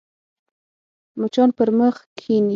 مچان پر مخ کښېني